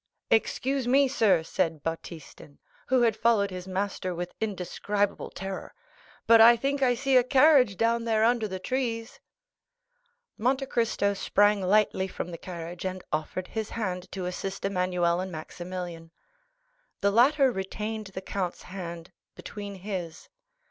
"Excuse me, sir," said Baptistin, who had followed his master with indescribable terror, "but I think I see a carriage down there under the trees." Monte Cristo sprang lightly from the carriage, and offered his hand to assist Emmanuel and Maximilian. The latter retained the count's hand between his.